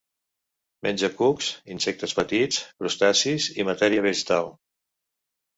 Menja cucs, insectes petits, crustacis i matèria vegetal.